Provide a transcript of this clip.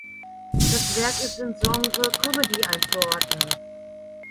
Das Werk ist ins Genre Comedy einzuordnen.